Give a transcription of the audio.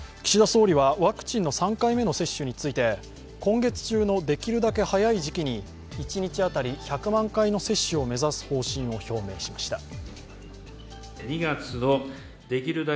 岸田総理はワクチンの３回目の接種について今月中のできるだけ早い時期に一日当たり１００万回の接種を目指す方針を表明しました。